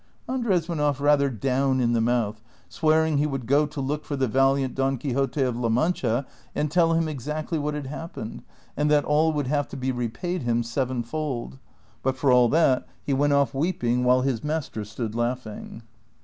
Andres went oft' rather down in the mouth, swearing he would go to look for the valiant Don Quixote of La Mancha and tell him exactly Avhat had happened, and that all would have to be repaid him sevenfold ; but for all that, he went off weeping, while his master stood laughing.